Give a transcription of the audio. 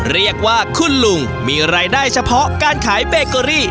เรียกว่าคุณลุงมีรายได้เฉพาะการขายเบเกอรี่